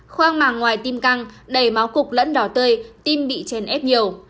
khoang màng ngoài tim căng đầy máu cục lẫn đỏ tươi tim bị chèn ép nhiều